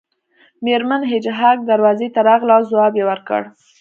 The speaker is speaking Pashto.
میرمن هیج هاګ دروازې ته راغله او ځواب یې ورکړ